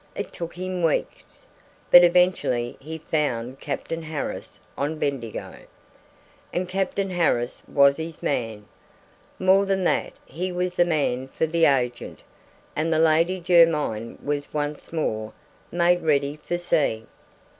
It took him weeks, but eventually he found Captain Harris on Bendigo, and Captain Harris was his man. More than that he was the man for the agent; and the Lady Jermyn was once more made ready for sea.